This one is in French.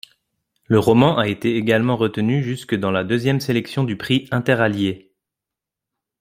Le roman a été également retenu jusque dans la deuxième sélection du prix Interallié.